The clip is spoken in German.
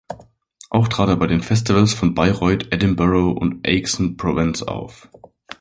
Auch trat er bei den Festivals von Bayreuth, Edinburgh und Aix-en-Provence auf.